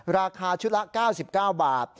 ราคาชุดละ๙๙บาท